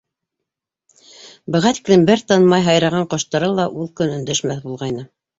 Быға тиклем бер тынмай һайраған ҡоштары ла ул көн өндәшмәҫ булғайны.